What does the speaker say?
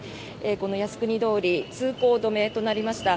この靖国通り通行止めとなりました。